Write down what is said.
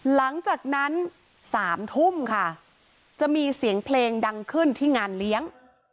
หลังจากนั้น๓ทุ่มค่ะจะมีเสียงเพลงดังขึ้นที่งานเลี้ยง